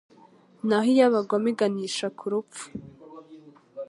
naho iy’abagome iganisha ku rupfu